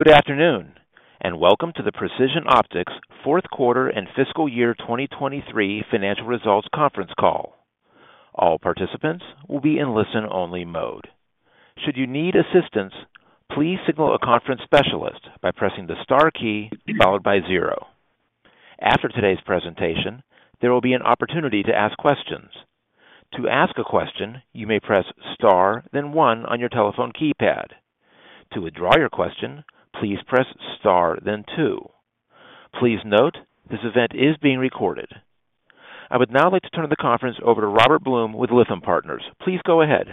Good afternoon, and welcome to the Precision Optics Q4 and fiscal year 2023 financial results conference call. All participants will be in listen-only mode. Should you need assistance, please signal a conference specialist by pressing the star key followed by zero. After today's presentation, there will be an opportunity to ask questions. To ask a question, you may press Star, then one on your telephone keypad. To withdraw your question, please press Star, then two. Please note, this event is being recorded. I would now like to turn the conference over to Robert Blum with Lytham Partners. Please go ahead.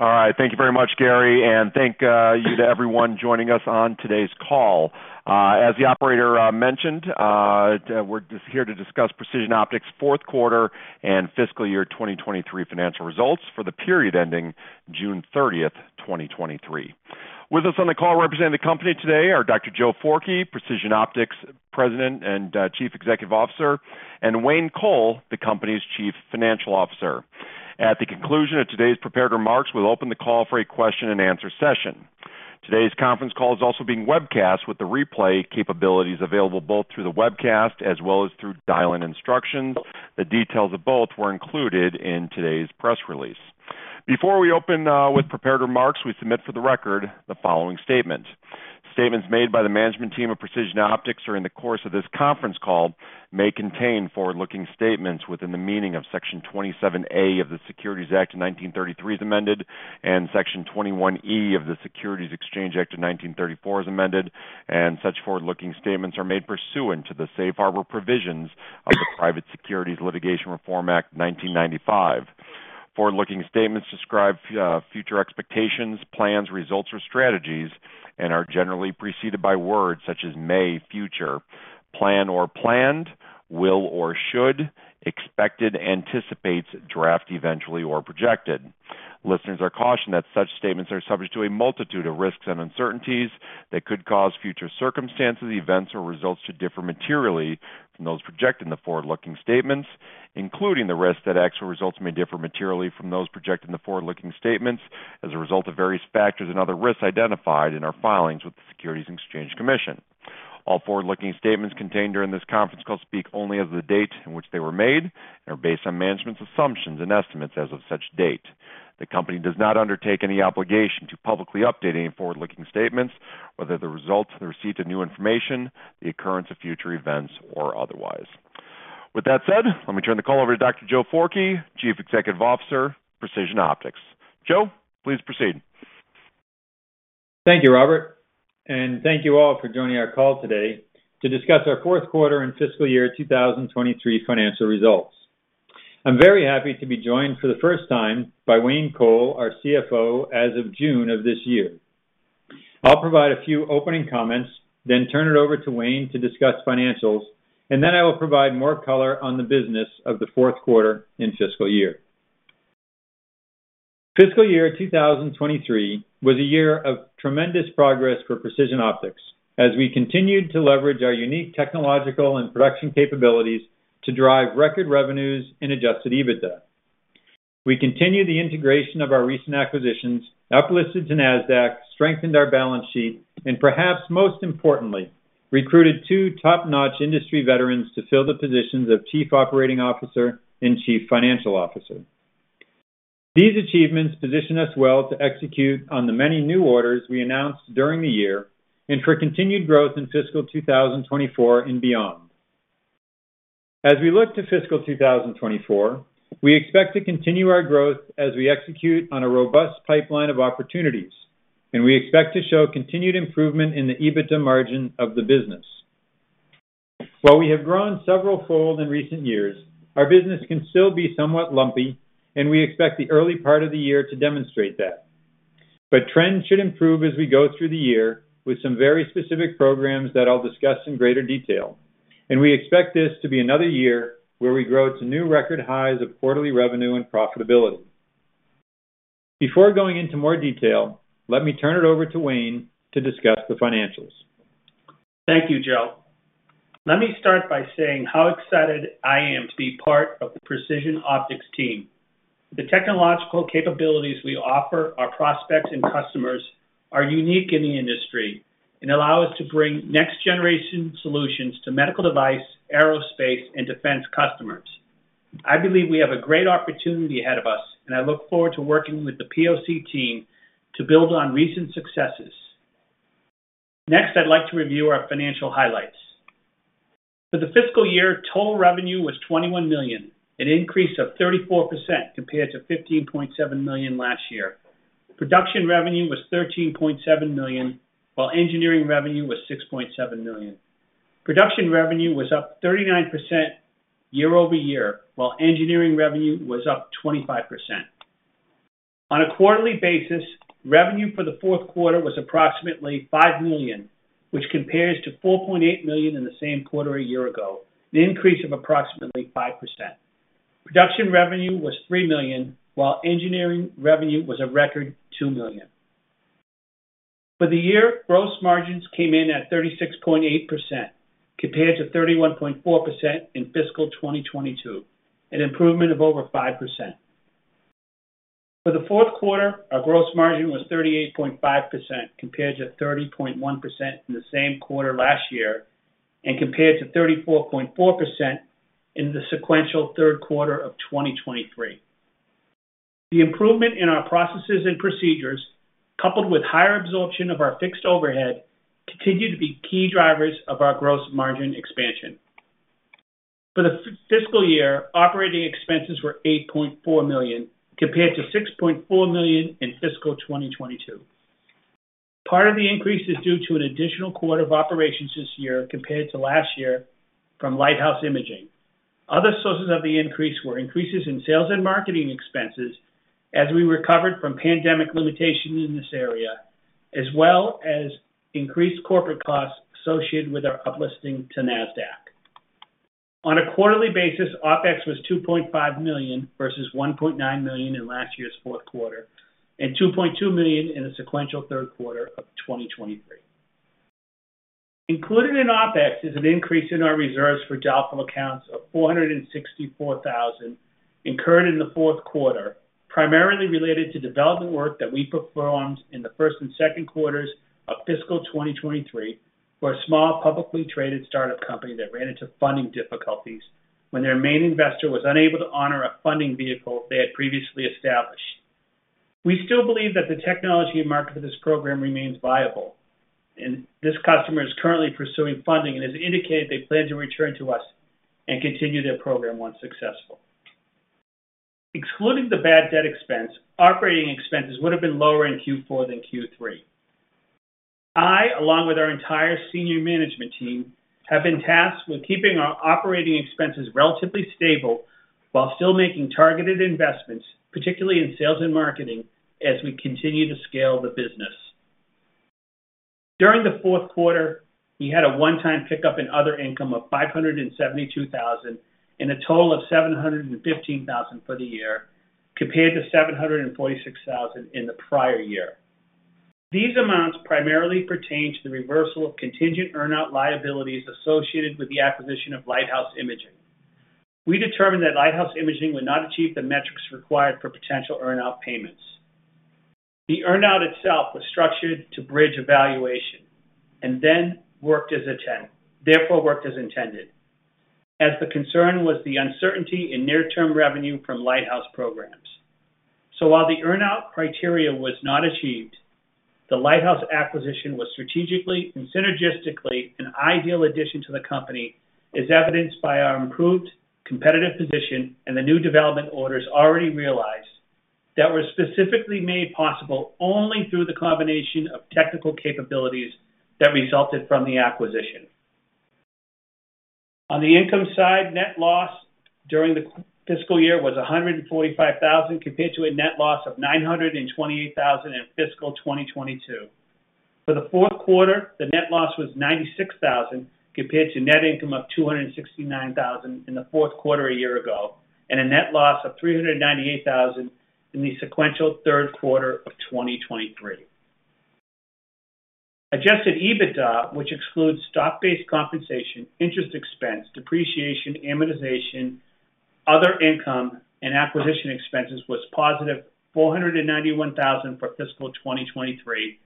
All right. Thank you very much, Gary, and thank you to everyone joining us on today's call. As the operator mentioned, we're just here to discuss Precision Optics Q4 and fiscal year 2023 financial results for the period ending June 30, 2023. With us on the call representing the company today are Dr. Joe Forkey, Precision Optics President and Chief Executive Officer, and Wayne Coll, the company's Chief Financial Officer. At the conclusion of today's prepared remarks, we'll open the call for a question-and-answer session. Today's conference call is also being webcast, with the replay capabilities available both through the webcast as well as through dial-in instructions. The details of both were included in today's press release. Before we open with prepared remarks, we submit for the record the following statement. Statements made by the management team of Precision Optics during the course of this conference call may contain forward-looking statements within the meaning of Section 27A of the Securities Act of 1933, as amended, and Section 21E of the Securities Exchange Act of 1934, as amended, and such forward-looking statements are made pursuant to the Safe Harbor Provisions of the Private Securities Litigation Reform Act of 1995. Forward-looking statements describe future expectations, plans, results, or strategies and are generally preceded by words such as may, future, plan or planned, will or should, expected, anticipates, draft, eventually, or projected. Listeners are cautioned that such statements are subject to a multitude of risks and uncertainties that could cause future circumstances, events, or results to differ materially from those projected in the forward-looking statements, including the risk that actual results may differ materially from those projected in the forward-looking statements as a result of various factors and other risks identified in our filings with the Securities and Exchange Commission. All forward-looking statements contained during this conference call speak only as of the date in which they were made and are based on management's assumptions and estimates as of such date. The company does not undertake any obligation to publicly update any forward-looking statements, whether the results of the receipt of new information, the occurrence of future events, or otherwise. With that said, let me turn the call over to Dr. Joe Forkey, Chief Executive Officer, Precision Optics. Joe, please proceed. Thank you, Robert, and thank you all for joining our call today to discuss our Q4 and fiscal year 2023 financial results. I'm very happy to be joined for the first time by Wayne Coll, our CFO as of June of this year. I'll provide a few opening comments, then turn it over to Wayne to discuss financials, and then I will provide more color on the business of the Q4 and fiscal year. Fiscal year 2023 was a year of tremendous progress for Precision Optics as we continued to leverage our unique technological and production capabilities to drive record revenues and adjusted EBITDA. We continued the integration of our recent acquisitions, uplisted to Nasdaq, strengthened our balance sheet, and perhaps most importantly, recruited two top-notch industry veterans to fill the positions of Chief Operating Officer and Chief Financial Officer. These achievements position us well to execute on the many new orders we announced during the year and for continued growth in fiscal 2024 and beyond. As we look to fiscal 2024, we expect to continue our growth as we execute on a robust pipeline of opportunities, and we expect to show continued improvement in the EBITDA margin of the business. While we have grown severalfold in recent years, our business can still be somewhat lumpy, and we expect the early part of the year to demonstrate that. Trends should improve as we go through the year with some very specific programs that I'll discuss in greater detail. We expect this to be another year where we grow to new record highs of quarterly revenue and profitability. Before going into more detail, let me turn it over to Wayne to discuss the financials. Thank you, Joe. Let me start by saying how excited I am to be part of the Precision Optics team. The technological capabilities we offer our prospects and customers are unique in the industry and allow us to bring next-generation solutions to medical device, aerospace, and defense customers. I believe we have a great opportunity ahead of us, and I look forward to working with the POC team to build on recent successes. Next, I'd like to review our financial highlights. For the fiscal year, total revenue was $21 million, an increase of 34% compared to $15.7 million last year. Production revenue was $13.7 million, while engineering revenue was $6.7 million. Production revenue was up 39% year-over-year, while engineering revenue was up 25%. On a quarterly basis, revenue for the Q4 was approximately $5 million, which compares to $4.8 million in the same quarter a year ago, an increase of approximately 5%. Production revenue was $3 million, while engineering revenue was a record $2 million. For the year, gross margins came in at 36.8%, compared to 31.4% in fiscal 2022, an improvement of over 5%....For the Q4, our gross margin was 38.5%, compared to 30.1% in the same quarter last year, and compared to 34.4% in the sequential Q3 of 2023. The improvement in our processes and procedures, coupled with higher absorption of our fixed overhead, continued to be key drivers of our gross margin expansion. For the fiscal year, operating expenses were $8.4 million, compared to $6.4 million in fiscal 2022. Part of the increase is due to an additional quarter of operations this year compared to last year from Lighthouse Imaging. Other sources of the increase were increases in sales and marketing expenses as we recovered from pandemic limitations in this area, as well as increased corporate costs associated with our uplisting to Nasdaq. On a quarterly basis, OpEx was $2.5 million versus $1.9 million in last year's Q4 and $2.2 million in the sequential Q3 of 2023. Included in OpEx is an increase in our reserves for doubtful accounts of $464,000, incurred in the Q4, primarily related to development work that we performed in the first and second quarters of fiscal 2023 for a small, publicly traded startup company that ran into funding difficulties when their main investor was unable to honor a funding vehicle they had previously established. We still believe that the technology and market for this program remains viable, and this customer is currently pursuing funding and has indicated they plan to return to us and continue their program once successful. Excluding the bad debt expense, operating expenses would have been lower in Q4 than Q3. I, along with our entire senior management team, have been tasked with keeping our operating expenses relatively stable while still making targeted investments, particularly in sales and marketing, as we continue to scale the business. During the Q4, we had a one-time pickup in other income of $572,000 and a total of $715,000 for the year, compared to $746,000 in the prior year. These amounts primarily pertain to the reversal of contingent earn-out liabilities associated with the acquisition of Lighthouse Imaging. We determined that Lighthouse Imaging would not achieve the metrics required for potential earn-out payments. The earn-out itself was structured to bridge valuation and then worked as intended, as the concern was the uncertainty in near-term revenue from Lighthouse programs. So while the earn-out criteria was not achieved, the Lighthouse acquisition was strategically and synergistically an ideal addition to the company, as evidenced by our improved competitive position and the new development orders already realized that were specifically made possible only through the combination of technical capabilities that resulted from the acquisition. On the income side, net loss during the fiscal year was $145,000, compared to a net loss of $928,000 in fiscal 2022. For the Q4, the net loss was $96,000, compared to net income of $269,000 in the Q4 a year ago, and a net loss of $398,000 in the sequential Q3 of 2023. Adjusted EBITDA, which excludes stock-based compensation, interest expense, depreciation, amortization, other income, and acquisition expenses, was positive $491,000 for fiscal 2023,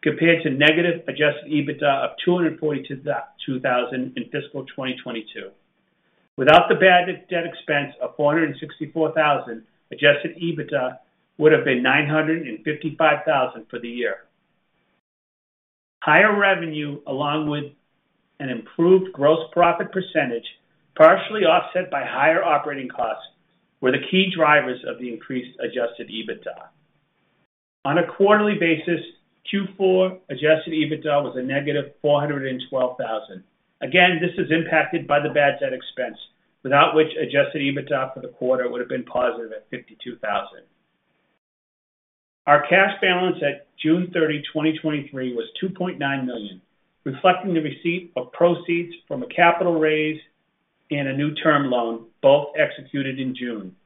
compared to negative adjusted EBITDA of $242,000 in fiscal 2022. Without the bad debt expense of $464,000, adjusted EBITDA would have been $955,000 for the year. Higher revenue, along with an improved gross profit percentage, partially offset by higher operating costs, were the key drivers of the increased adjusted EBITDA. On a quarterly basis, Q4 adjusted EBITDA was a negative $412,000. Again, this is impacted by the bad debt expense, without which adjusted EBITDA for the quarter would have been positive at $52,000. Our cash balance at June 30, 2023, was $2.9 million, reflecting the receipt of proceeds from a capital raise and a new term loan, both executed in June.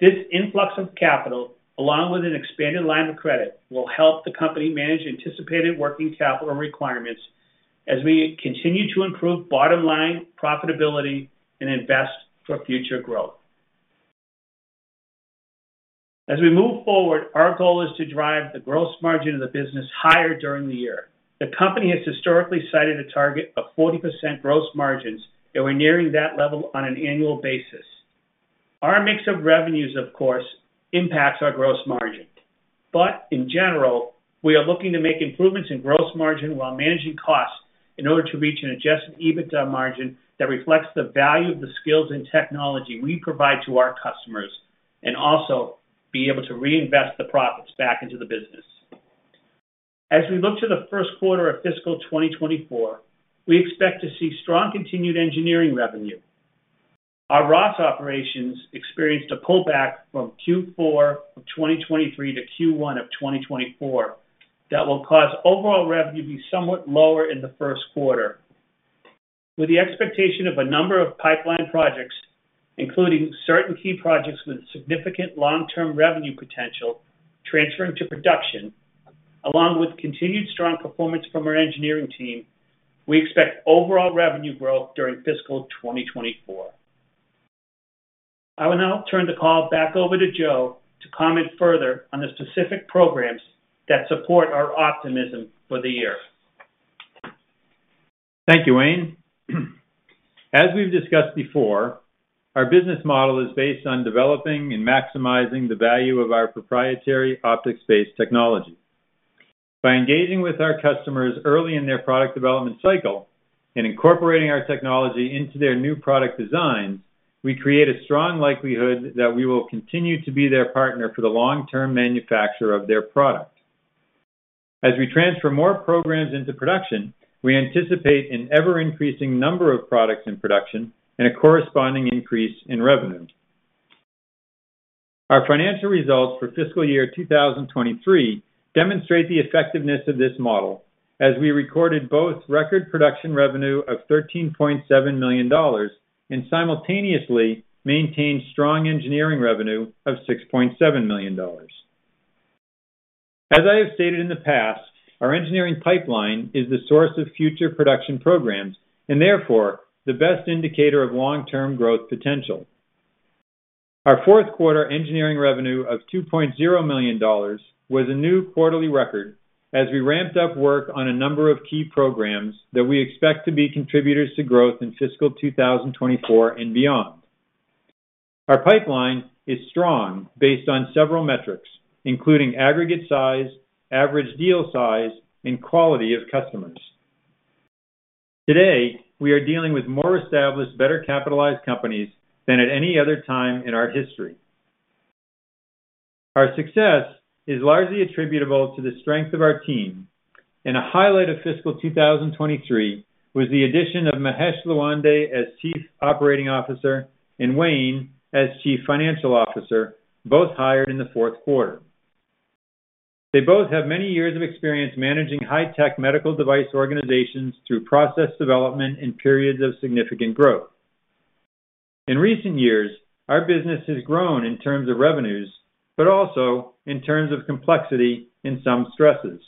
This influx of capital, along with an expanded line of credit, will help the company manage anticipated working capital requirements as we continue to improve bottom-line profitability and invest for future growth. As we move forward, our goal is to drive the gross margin of the business higher during the year. The company has historically cited a target of 40% gross margins, and we're nearing that level on an annual basis. Our mix of revenues, of course, impacts our gross margin. But in general, we are looking to make improvements in gross margin while managing costs in order to reach an adjusted EBITDA margin that reflects the value of the skills and technology we provide to our customers, and also be able to reinvest the profits back into the business. As we look to the Q1 of fiscal 2024, we expect to see strong continued engineering revenue. Our Ross operations experienced a pullback from Q4 of 2023 to Q1 of 2024 that will cause overall revenue to be somewhat lower in the Q1. With the expectation of a number of pipeline projects, including certain key projects with significant long-term revenue potential transferring to production,... along with continued strong performance from our engineering team, we expect overall revenue growth during fiscal 2024. I will now turn the call back over to Joe to comment further on the specific programs that support our optimism for the year. Thank you, Wayne. As we've discussed before, our business model is based on developing and maximizing the value of our proprietary optics-based technology. By engaging with our customers early in their product development cycle and incorporating our technology into their new product designs, we create a strong likelihood that we will continue to be their partner for the long-term manufacture of their product. As we transfer more programs into production, we anticipate an ever-increasing number of products in production and a corresponding increase in revenue. Our financial results for fiscal year 2023 demonstrate the effectiveness of this model, as we recorded both record production revenue of $13.7 million and simultaneously maintained strong engineering revenue of $6.7 million. As I have stated in the past, our engineering pipeline is the source of future production programs and therefore, the best indicator of long-term growth potential. Our Q4 engineering revenue of $2.0 million was a new quarterly record, as we ramped up work on a number of key programs that we expect to be contributors to growth in fiscal 2024 and beyond. Our pipeline is strong, based on several metrics, including aggregate size, average deal size, and quality of customers. Today, we are dealing with more established, better-capitalized companies than at any other time in our history. Our success is largely attributable to the strength of our team, and a highlight of fiscal 2023 was the addition of Mahesh Lawande as Chief Operating Officer and Wayne as Chief Financial Officer, both hired in the Q4. They both have many years of experience managing high-tech medical device organizations through process development and periods of significant growth. In recent years, our business has grown in terms of revenues, but also in terms of complexity in some stresses.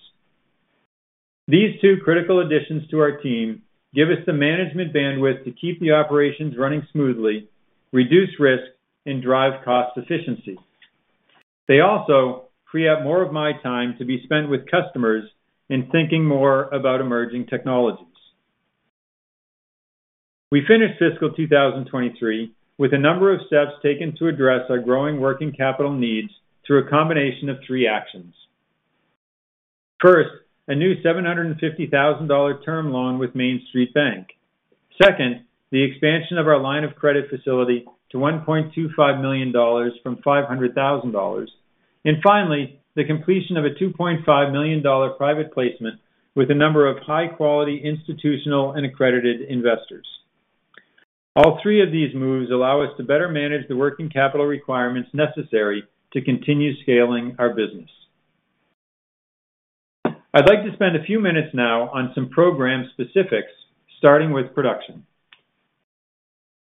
These two critical additions to our team give us the management bandwidth to keep the operations running smoothly, reduce risk, and drive cost efficiency. They also free up more of my time to be spent with customers in thinking more about emerging technologies. We finished fiscal 2023 with a number of steps taken to address our growing working capital needs through a combination of three actions. First, a new $750,000 term loan with Main Street Bank. Second, the expansion of our line of credit facility to $1.25 million from $500,000. Finally, the completion of a $2.5 million private placement with a number of high-quality institutional and accredited investors. All three of these moves allow us to better manage the working capital requirements necessary to continue scaling our business. I'd like to spend a few minutes now on some program specifics, starting with production.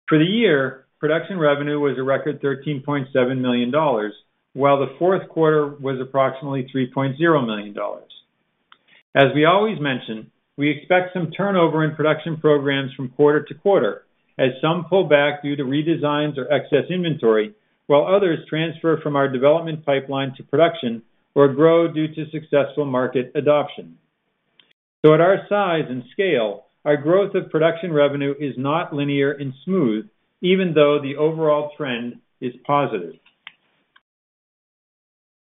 For the year, production revenue was a record $13.7 million, while the Q4 was approximately $3.0 million. As we always mention, we expect some turnover in production programs from quarter to quarter, as some pull back due to redesigns or excess inventory, while others transfer from our development pipeline to production or grow due to successful market adoption. At our size and scale, our growth of production revenue is not linear and smooth, even though the overall trend is positive.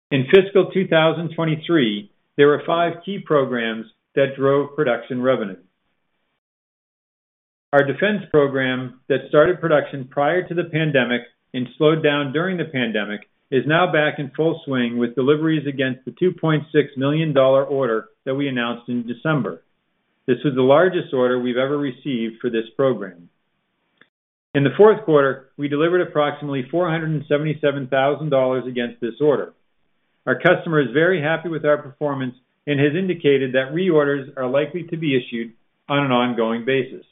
In fiscal 2023, there were five key programs that drove production revenue. Our defense program that started production prior to the pandemic and slowed down during the pandemic, is now back in full swing with deliveries against the $2.6 million order that we announced in December. This is the largest order we've ever received for this program. In the Q4, we delivered approximately $477,000 against this order. Our customer is very happy with our performance and has indicated that reorders are likely to be issued on an ongoing basis.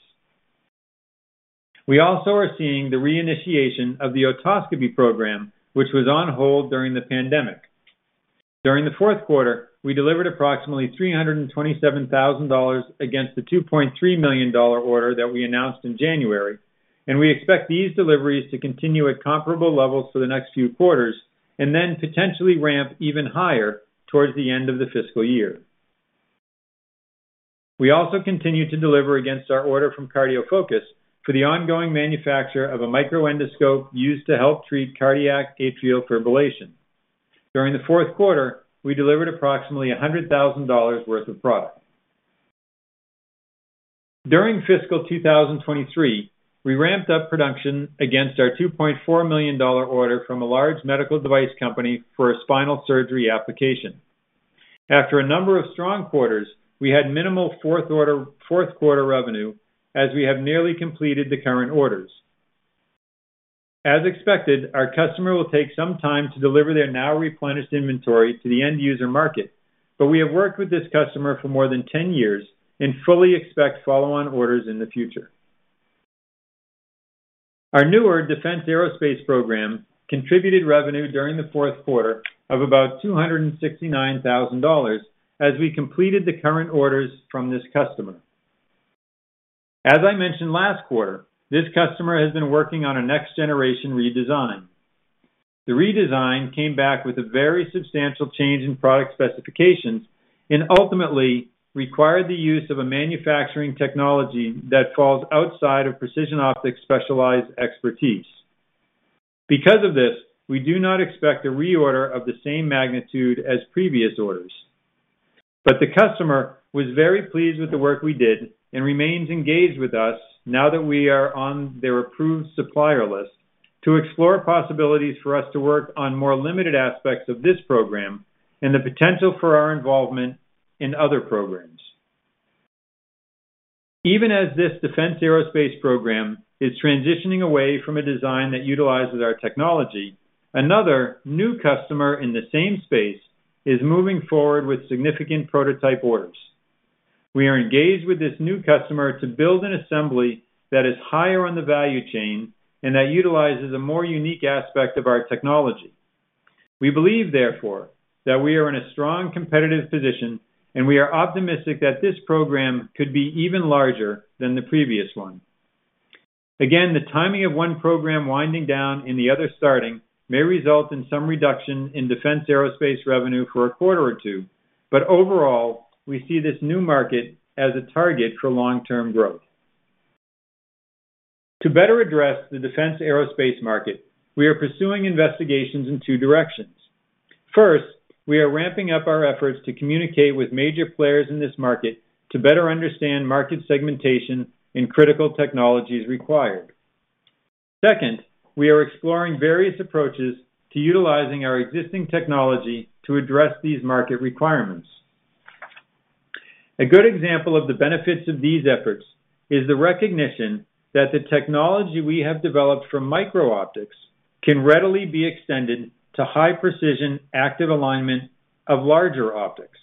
We also are seeing the reinitiation of the otoscopy program, which was on hold during the pandemic. During the Q4, we delivered approximately $327,000 against the $2.3 million order that we announced in January, and we expect these deliveries to continue at comparable levels for the next few quarters, and then potentially ramp even higher towards the end of the fiscal year. We also continue to deliver against our order from CardioFocus for the ongoing manufacture of a microendoscope used to help treat cardiac atrial fibrillation. During the Q4, we delivered approximately $100,000 worth of product. During fiscal 2023, we ramped up production against our $2.4 million order from a large medical device company for a spinal surgery application. After a number of strong quarters, we had minimal Q4 revenue, as we have nearly completed the current orders. As expected, our customer will take some time to deliver their now replenished inventory to the end user market, but we have worked with this customer for more than 10 years and fully expect follow-on orders in the future. Our newer defense aerospace program contributed revenue during the Q4 of about $269,000, as we completed the current orders from this customer. As I mentioned last quarter, this customer has been working on a next generation redesign. The redesign came back with a very substantial change in product specifications and ultimately required the use of a manufacturing technology that falls outside of Precision Optics' specialized expertise. Because of this, we do not expect a reorder of the same magnitude as previous orders. But the customer was very pleased with the work we did and remains engaged with us now that we are on their approved supplier list, to explore possibilities for us to work on more limited aspects of this program and the potential for our involvement in other programs. Even as this defense aerospace program is transitioning away from a design that utilizes our technology, another new customer in the same space is moving forward with significant prototype orders. We are engaged with this new customer to build an assembly that is higher on the value chain and that utilizes a more unique aspect of our technology. We believe, therefore, that we are in a strong competitive position, and we are optimistic that this program could be even larger than the previous one. Again, the timing of one program winding down and the other starting, may result in some reduction in defense aerospace revenue for a quarter or two. Overall, we see this new market as a target for long-term growth. To better address the defense aerospace market, we are pursuing investigations in two directions. First, we are ramping up our efforts to communicate with major players in this market to better understand market segmentation and critical technologies required. Second, we are exploring various approaches to utilizing our existing technology to address these market requirements. A good example of the benefits of these efforts is the recognition that the technology we have developed for micro-optics can readily be extended to high precision, active alignment of larger optics.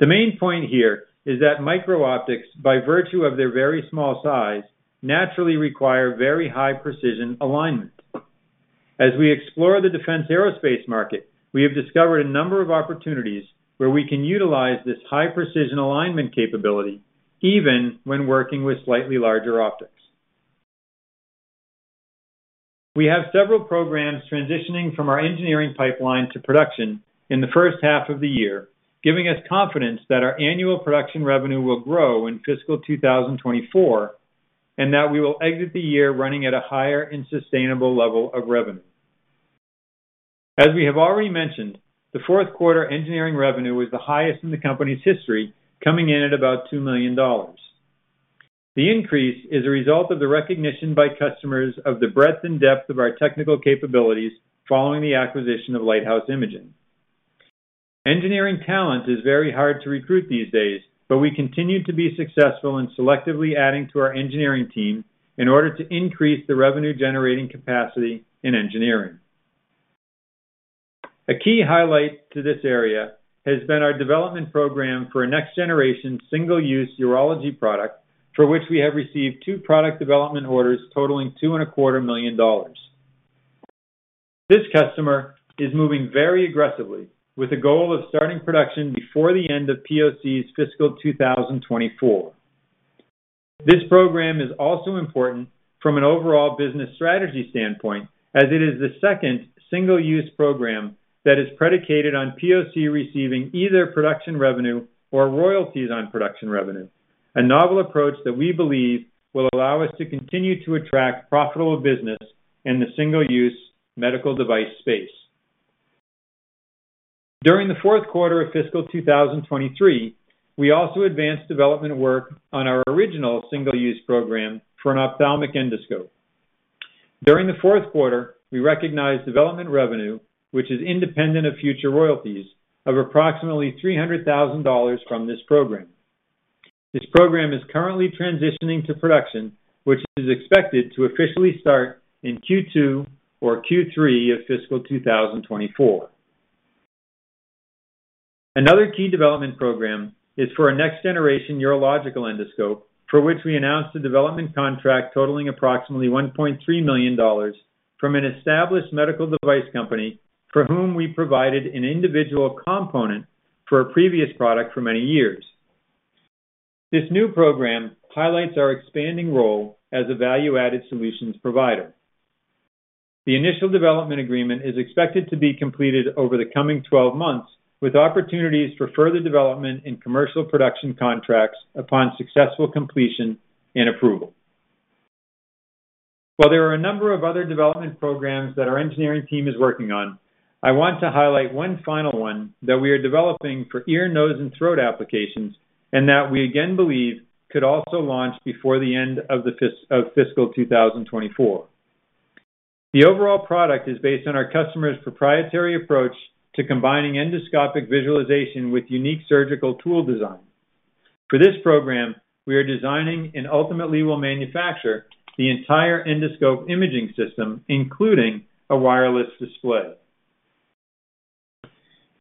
The main point here is that micro-optics, by virtue of their very small size, naturally require very high precision alignment. As we explore the defense aerospace market, we have discovered a number of opportunities where we can utilize this high precision alignment capability, even when working with slightly larger optics. We have several programs transitioning from our engineering pipeline to production in the first half of the year, giving us confidence that our annual production revenue will grow in fiscal 2024, and that we will exit the year running at a higher and sustainable level of revenue. As we have already mentioned, the Q4 engineering revenue was the highest in the company's history, coming in at about $2 million. The increase is a result of the recognition by customers of the breadth and depth of our technical capabilities following the acquisition of Lighthouse Imaging. Engineering talent is very hard to recruit these days, but we continue to be successful in selectively adding to our engineering team in order to increase the revenue-generating capacity in engineering. A key highlight to this area has been our development program for a next generation single-use urology product, for which we have received two product development orders totaling $2.25 million. This customer is moving very aggressively, with a goal of starting production before the end of POC's fiscal 2024. This program is also important from an overall business strategy standpoint, as it is the second single-use program that is predicated on POC receiving either production revenue or royalties on production revenue, a novel approach that we believe will allow us to continue to attract profitable business in the single-use medical device space. During the Q4 of fiscal 2023, we also advanced development work on our original single-use program for an ophthalmic endoscope. During the Q4, we recognized development revenue, which is independent of future royalties, of approximately $300,000 from this program. This program is currently transitioning to production, which is expected to officially start in Q2 or Q3 of fiscal 2024. Another key development program is for a next generation urological endoscope, for which we announced a development contract totaling approximately $1.3 million from an established medical device company for whom we provided an individual component for a previous product for many years. This new program highlights our expanding role as a value-added solutions provider. The initial development agreement is expected to be completed over the coming 12 months, with opportunities for further development in commercial production contracts upon successful completion and approval. While there are a number of other development programs that our engineering team is working on, I want to highlight one final one that we are developing for ear, nose, and throat applications, and that we again believe could also launch before the end of fiscal 2024. The overall product is based on our customer's proprietary approach to combining endoscopic visualization with unique surgical tool design. For this program, we are designing and ultimately will manufacture the entire endoscope imaging system, including a wireless display....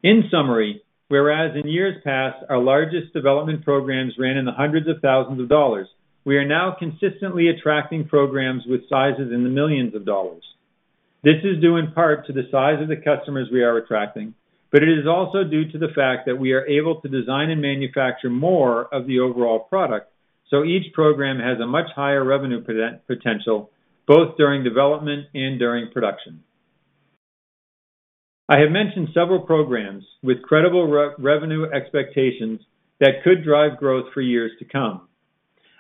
In summary, whereas in years past, our largest development programs ran in the $100,000s, we are now consistently attracting programs with sizes in the millions dollars. This is due in part to the size of the customers we are attracting, but it is also due to the fact that we are able to design and manufacture more of the overall product, so each program has a much higher revenue potential, both during development and during production. I have mentioned several programs with credible revenue expectations that could drive growth for years to come.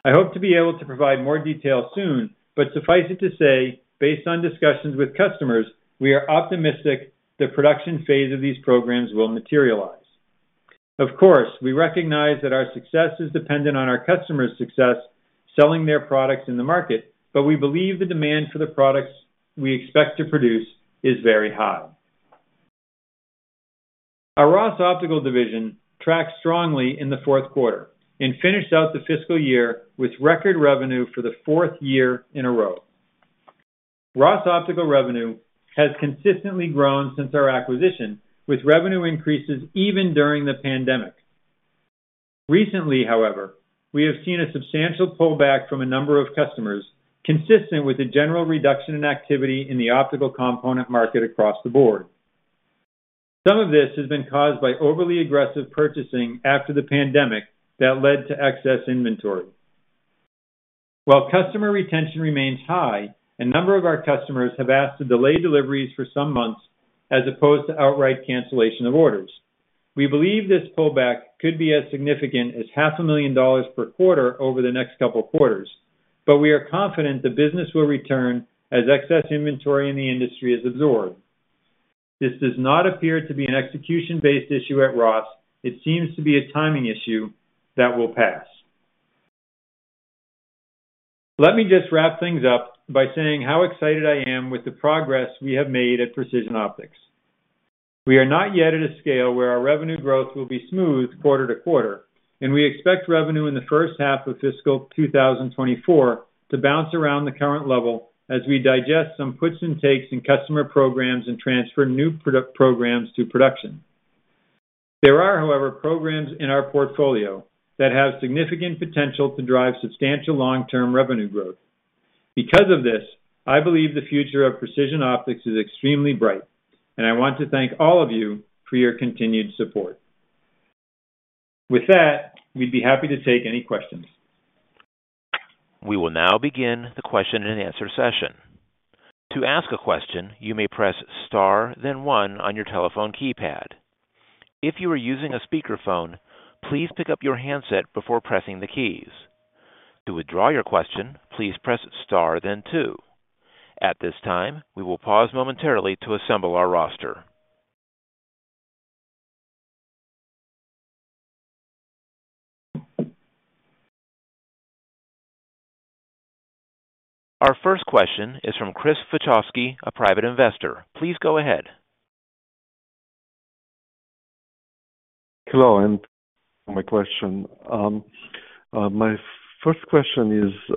I hope to be able to provide more details soon, but suffice it to say, based on discussions with customers, we are optimistic the production phase of these programs will materialize. Of course, we recognize that our success is dependent on our customers' success selling their products in the market, but we believe the demand for the products we expect to produce is very high. Our Ross Optical division tracked strongly in the Q4 and finished out the fiscal year with record revenue for the fourth year in a row. Ross Optical revenue has consistently grown since our acquisition, with revenue increases even during the pandemic. Recently, however, we have seen a substantial pullback from a number of customers, consistent with the general reduction in activity in the optical component market across the board. Some of this has been caused by overly aggressive purchasing after the pandemic, that led to excess inventory. While customer retention remains high, a number of our customers have asked to delay deliveries for some months as opposed to outright cancellation of orders. We believe this pullback could be as significant as $500,000 per quarter over the next couple of quarters, but we are confident the business will return as excess inventory in the industry is absorbed. This does not appear to be an execution-based issue at Ross. It seems to be a timing issue that will pass. Let me just wrap things up by saying how excited I am with the progress we have made at Precision Optics. We are not yet at a scale where our revenue growth will be smooth quarter to quarter, and we expect revenue in the first half of fiscal 2024 to bounce around the current level as we digest some puts and takes in customer programs and transfer new product programs to production. There are, however, programs in our portfolio that have significant potential to drive substantial long-term revenue growth. Because of this, I believe the future of Precision Optics is extremely bright, and I want to thank all of you for your continued support. With that, we'd be happy to take any questions. We will now begin the question and answer session. To ask a question, you may press star, then one on your telephone keypad. If you are using a speakerphone, please pick up your handset before pressing the keys. To withdraw your question, please press star then two. At this time, we will pause momentarily to assemble our roster. Our first question is from Chris Zochowski, a private investor. Please go ahead. Hello, and my question. My first question is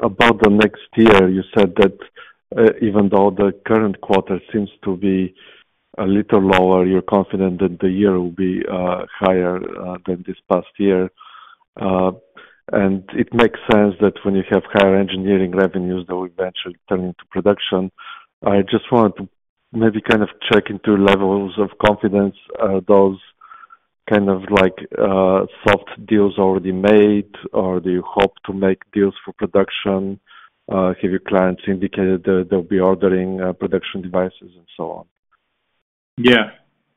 about the next year. You said that, even though the current quarter seems to be a little lower, you're confident that the year will be higher than this past year. It makes sense that when you have higher engineering revenues, they will eventually turn into production. I just wanted to maybe kind of check into levels of confidence. Are those kind of like soft deals already made, or do you hope to make deals for production? Have your clients indicated that they'll be ordering production devices and so on? Yeah.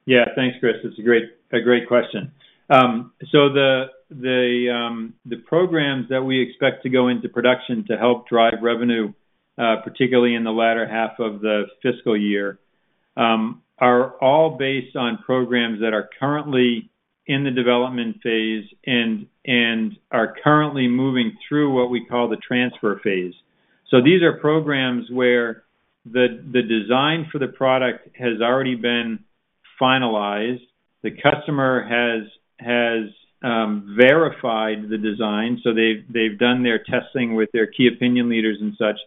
Yeah, thanks, Chris. It's a great, a great question. The programs that we expect to go into production to help drive revenue, particularly in the latter half of the fiscal year, are all based on programs that are currently in the development phase and are currently moving through what we call the transfer phase. These are programs where the design for the product has already been finalized. The customer has verified the design, so they've done their testing with their key opinion leaders and such.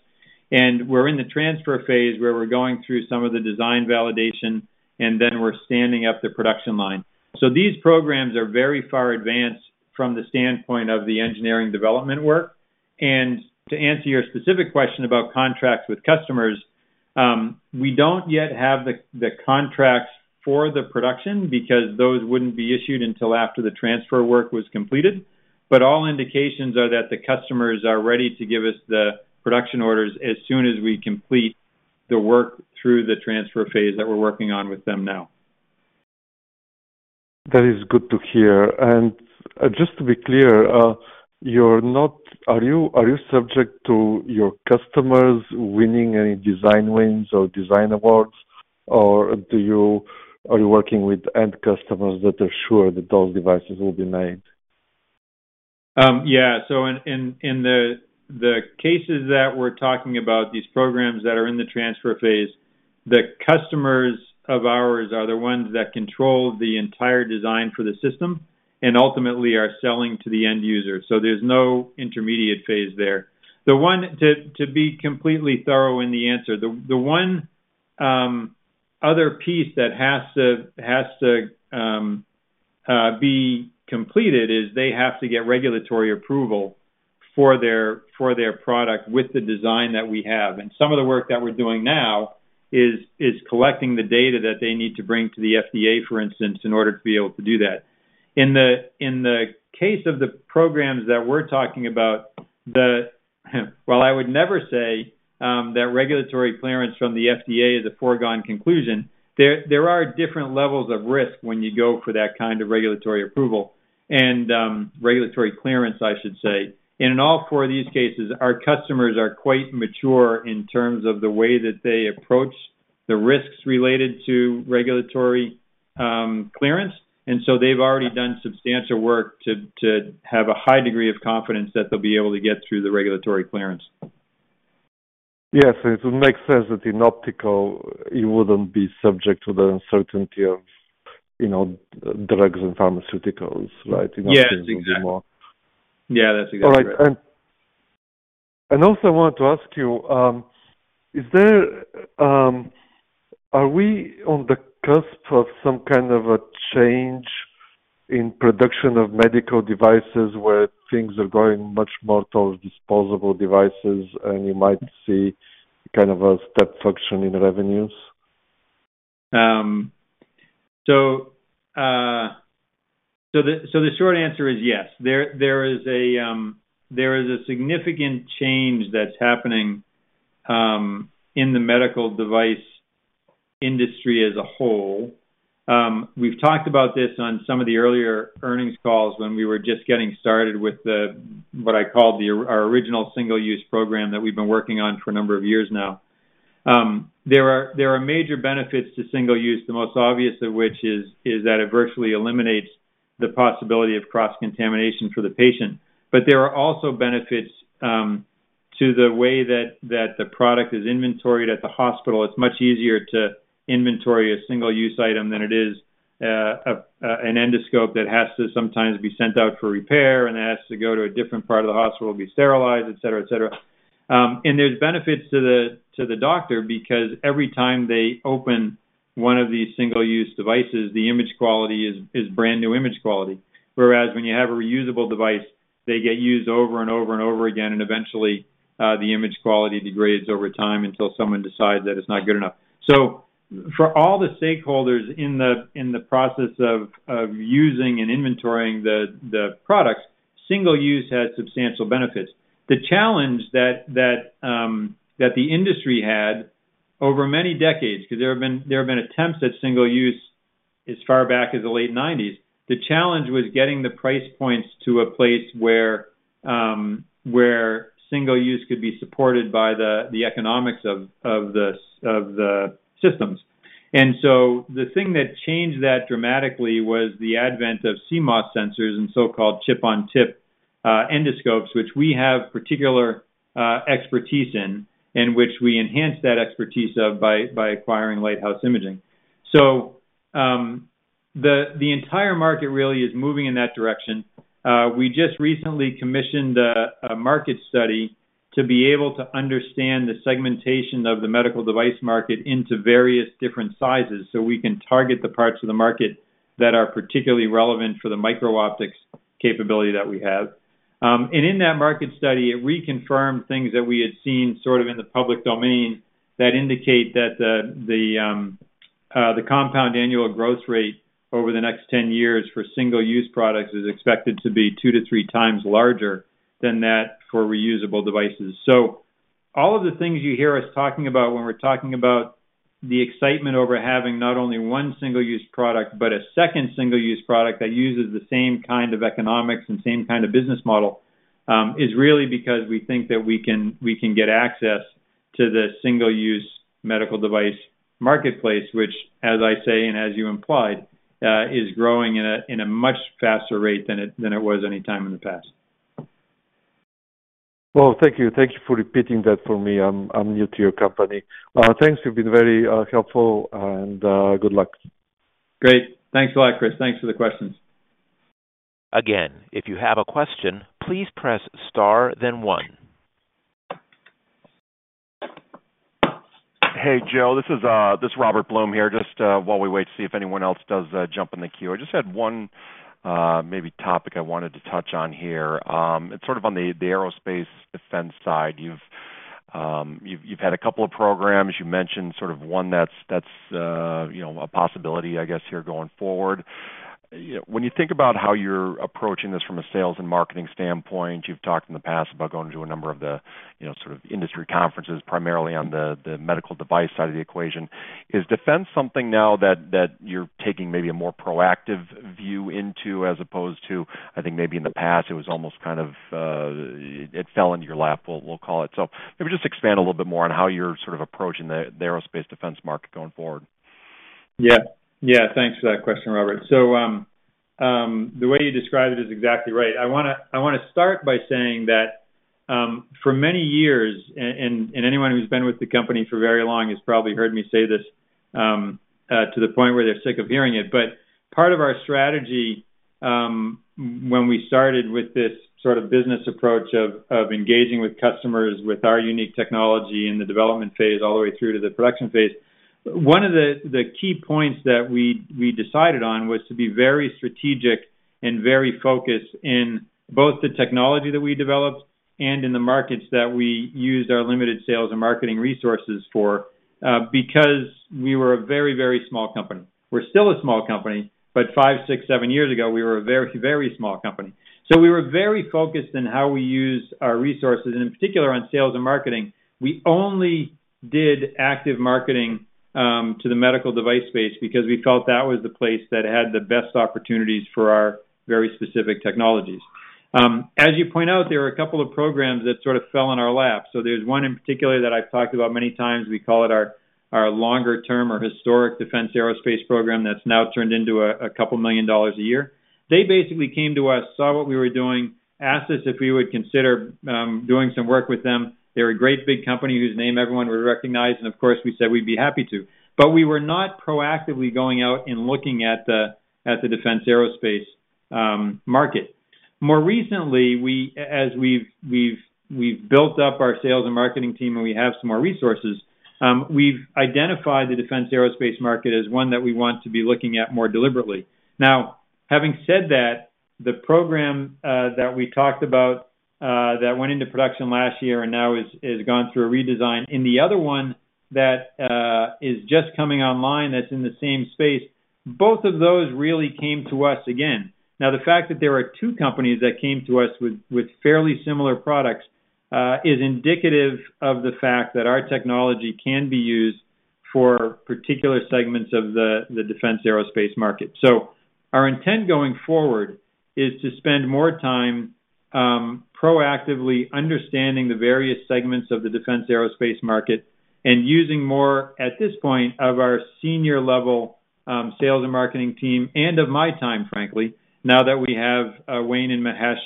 We're in the transfer phase, where we're going through some of the design validation, and then we're standing up the production line. These programs are very far advanced from the standpoint of the engineering development work. To answer your specific question about contracts with customers, we don't yet have the contracts for the production because those wouldn't be issued until after the transfer work was completed. All indications are that the customers are ready to give us the production orders as soon as we complete the work through the transfer phase that we're working on with them now. That is good to hear. Just to be clear, are you subject to your customers winning any design wins or design awards, or are you working with end customers that are sure that those devices will be made? Yeah. In the cases that we're talking about, these programs that are in the transfer phase, the customers of ours are the ones that control the entire design for the system... and ultimately are selling to the end user. There's no intermediate phase there. To be completely thorough in the answer, the one other piece that has to be completed is they have to get regulatory approval for their product with the design that we have. Some of the work that we're doing now is collecting the data that they need to bring to the FDA, for instance, in order to be able to do that. In the case of the programs that we're talking about, the well, I would never say that regulatory clearance from the FDA is a foregone conclusion. There are different levels of risk when you go for that kind of regulatory approval and, regulatory clearance, I should say. In all four of these cases, our customers are quite mature in terms of the way that they approach the risks related to regulatory, clearance. So they've already done substantial work to have a high degree of confidence that they'll be able to get through the regulatory clearance. Yes, it would make sense that in optical, you wouldn't be subject to the uncertainty of, you know, drugs and pharmaceuticals, right? Yes, exactly. Even more. Yeah, that's exactly right. All right. Also I wanted to ask you, are we on the cusp of some kind of a change in production of medical devices, where things are going much more towards disposable devices, and you might see kind of a step function in revenues? So the short answer is yes. There is a significant change that's happening in the medical device industry as a whole. We've talked about this on some of the earlier earnings calls when we were just getting started with what I call our original single-use program that we've been working on for a number of years now. There are major benefits to single-use, the most obvious of which is that it virtually eliminates the possibility of cross-contamination for the patient. There are also benefits to the way that the product is inventoried at the hospital. It's much easier to inventory a single-use item than it is, an endoscope that has to sometimes be sent out for repair, and it has to go to a different part of the hospital to be sterilized, et cetera, et cetera. And there's benefits to the, to the doctor because every time they open one of these single-use devices, the image quality is, is brand-new image quality. Whereas when you have a reusable device, they get used over and over and over again, and eventually, the image quality degrades over time until someone decides that it's not good enough. For all the stakeholders in the, in the process of, of using and inventorying the, the products, single-use has substantial benefits. The challenge that the industry had over many decades, because there have been attempts at single use as far back as the late 1990s. The challenge was getting the price points to a place where single use could be supported by the economics of the systems. And so the thing that changed that dramatically was the advent of CMOS sensors and so-called chip-on-tip endoscopes, which we have particular expertise in, and which we enhanced that expertise of by acquiring Lighthouse Imaging. The entire market really is moving in that direction. We just recently commissioned a market study to be able to understand the segmentation of the medical device market into various different sizes, so we can target the parts of the market that are particularly relevant for the micro-optics capability that we have. And in that market study, it reconfirmed things that we had seen sort of in the public domain that indicate that the compound annual growth rate over the next 10 years for single-use products is expected to be 2-3 times larger than that for reusable devices. All of the things you hear us talking about when we're talking about the excitement over having not only one single-use product, but a second single-use product that uses the same kind of economics and same kind of business model is really because we think that we can get access to the single-use medical device marketplace, which, as I say, and as you implied, is growing in a much faster rate than it was any time in the past. Well, thank you. Thank you for repeating that for me. I'm new to your company. Thanks. You've been very helpful, and good luck. Great. Thanks a lot, Chris. Thanks for the questions. Again, if you have a question, please press Star, then One. Hey, Joe, this is Robert Blum here. Just while we wait to see if anyone else does jump in the queue, I just had one maybe topic I wanted to touch on here. It's sort of on the aerospace defense side. You've had a couple of programs. You mentioned sort of one that's you know a possibility, I guess, here, going forward. When you think about how you're approaching this from a sales and marketing standpoint, you've talked in the past about going to a number of the you know sort of industry conferences, primarily on the medical device side of the equation. Is defense something now that you're taking maybe a more proactive view into, as opposed to, I think maybe in the past, it was almost kind of, it fell into your lap, we'll call it? So maybe just expand a little bit more on how you're sort of approaching the aerospace defense market going forward. Yeah. Yeah, thanks for that question, Robert. The way you described it is exactly right. I wanna start by saying that. For many years, and anyone who's been with the company for very long has probably heard me say this, to the point where they're sick of hearing it. Part of our strategy, when we started with this sort of business approach of engaging with customers with our unique technology in the development phase all the way through to the production phase, one of the key points that we decided on was to be very strategic and very focused in both the technology that we developed and in the markets that we used our limited sales and marketing resources for, because we were a very, very small company. We're still a small company, but 5, 6, 7 years ago, we were a very, very small company. We were very focused on how we used our resources, and in particular, on sales and marketing. We only did active marketing to the medical device space because we felt that was the place that had the best opportunities for our very specific technologies. As you point out, there are a couple of programs that sort of fell in our lap. There's one in particular that I've talked about many times. We call it our longer term or historic defense aerospace program, that's now turned into a $2 million a year. They basically came to us, saw what we were doing, asked us if we would consider doing some work with them. They're a great big company whose name everyone would recognize and, of course, we said we'd be happy to. We were not proactively going out and looking at the defense aerospace market. More recently, as we've built up our sales and marketing team, and we have some more resources, we've identified the defense aerospace market as one that we want to be looking at more deliberately. Now, having said that, the program that we talked about that went into production last year and now is gone through a redesign, and the other one that is just coming online, that's in the same space, both of those really came to us again. Now, the fact that there are two companies that came to us with fairly similar products is indicative of the fact that our technology can be used for particular segments of the defense aerospace market. Our intent going forward is to spend more time proactively understanding the various segments of the defense aerospace market and using more, at this point, of our senior-level sales and marketing team, and of my time, frankly, now that we have Wayne and Mahesh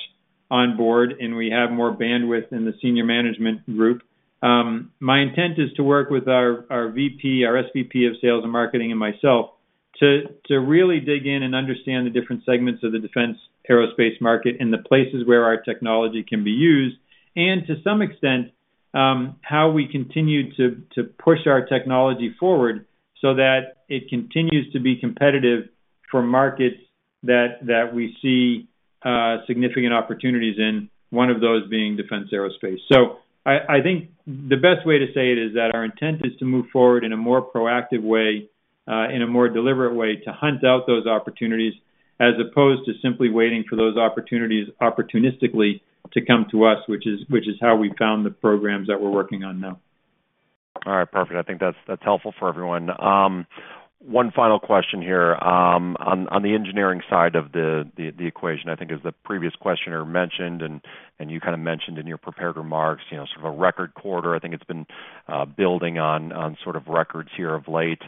on board, and we have more bandwidth in the senior management group. My intent is to work with our VP, our SVP of sales and marketing and myself, to really dig in and understand the different segments of the defense aerospace market and the places where our technology can be used, and to some extent, how we continue to push our technology forward so that it continues to be competitive for markets that we see significant opportunities in, one of those being defense aerospace. I think the best way to say it is that our intent is to move forward in a more proactive way, in a more deliberate way, to hunt out those opportunities, as opposed to simply waiting for those opportunities opportunistically to come to us, which is how we found the programs that we're working on now. All right, perfect. I think that's, that's helpful for everyone. One final question here. On the engineering side of the equation, I think as the previous questioner mentioned, and you kind of mentioned in your prepared remarks, you know, sort of a record quarter. I think it's been building on sort of records here of late.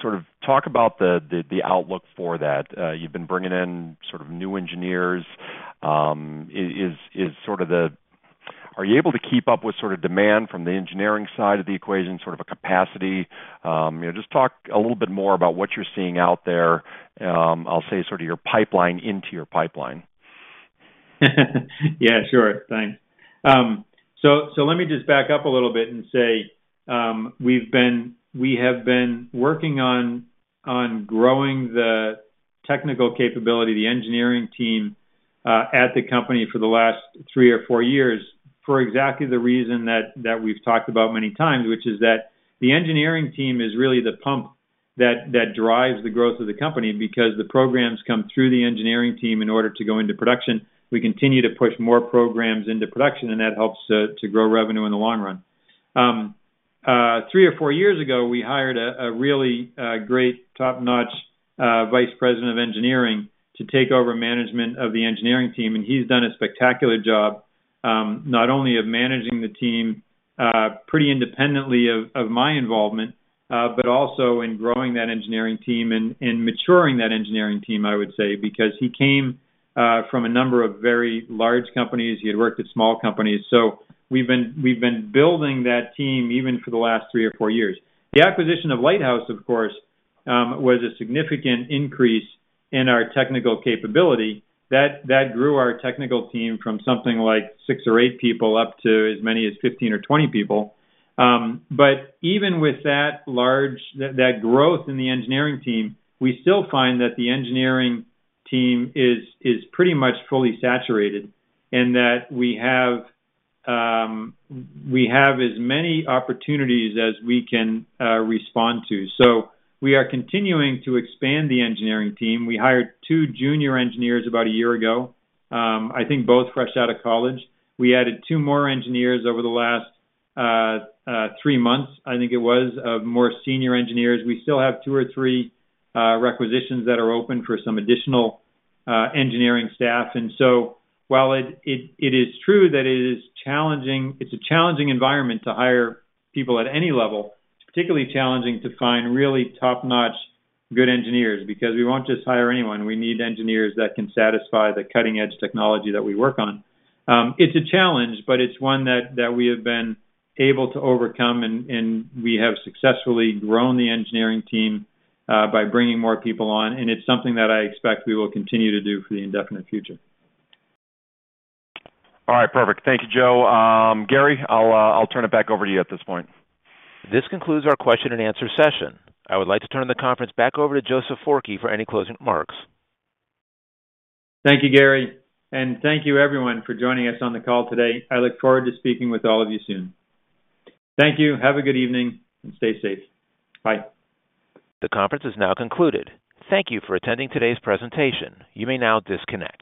Sort of talk about the outlook for that. You've been bringing in sort of new engineers. Is sort of the—Are you able to keep up with sort of demand from the engineering side of the equation, sort of a capacity? You know, just talk a little bit more about what you're seeing out there, I'll say sort of your pipeline into your pipeline. Yeah, sure. Thanks. Let me just back up a little bit and say, we've been working on growing the technical capability, the engineering team, at the company for the last three or four years, for exactly the reason that we've talked about many times, which is that the engineering team is really the pump that drives the growth of the company because the programs come through the engineering team in order to go into production. We continue to push more programs into production, and that helps to grow revenue in the long run. Three or four years ago, we hired a really great, top-notch vice president of engineering to take over management of the engineering team, and he's done a spectacular job, not only of managing the team pretty independently of my involvement, but also in growing that engineering team and maturing that engineering team, I would say, because he came from a number of very large companies. He had worked at small companies. We've been building that team even for the last three or four years. The acquisition of Lighthouse, of course, was a significant increase in our technical capability. That grew our technical team from something like six or eight people up to as many as 15 or 20 people. But even with that large growth in the engineering team, we still find that the engineering team is pretty much fully saturated and that we have as many opportunities as we can respond to. We are continuing to expand the engineering team. We hired two junior engineers about a year ago, I think both fresh out of college. We added two more engineers over the last three months. I think it was more senior engineers. We still have two or three requisitions that are open for some additional engineering staff. And so while it is true that it is challenging, it's a challenging environment to hire people at any level, it's particularly challenging to find really top-notch, good engineers because we won't just hire anyone. We need engineers that can satisfy the cutting-edge technology that we work on. It's a challenge, but it's one that we have been able to overcome, and we have successfully grown the engineering team by bringing more people on, and it's something that I expect we will continue to do for the indefinite future. All right, perfect. Thank you, Joe. Gary, I'll, I'll turn it back over to you at this point. This concludes our question and answer session. I would like to turn the conference back over to Joe Forkey for any closing remarks. Thank you, Gary, and thank you, everyone, for joining us on the call today. I look forward to speaking with all of you soon. Thank you. Have a good evening, and stay safe. Bye. The conference is now concluded. Thank you for attending today's presentation. You may now disconnect.